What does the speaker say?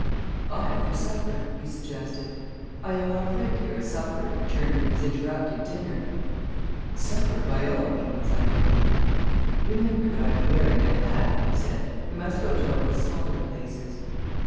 "I am for supper," he suggested. "I owe our friend here a supper in return for his interrupted dinner." "Supper, by all means!" I agreed. "Remember that I am wearing a hat," Eve said. "We must go to one of the smaller places."